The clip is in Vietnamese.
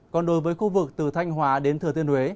còn đối với khu vực từ thanh hóa đến thừa thiên huế